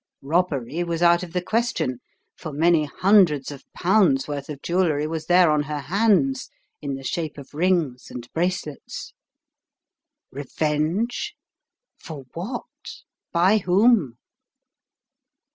Robbery was out of the question, for many hundreds of pounds worth of jewellery was there on her hands in the shape of rings and bracelets. Revenge? For what? By whom?